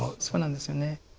そうなんですよね。